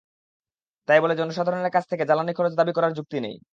তাই বলে জনসাধারণের কাছ থেকে জ্বালানি খরচ দাবি করার যুক্তি নেই।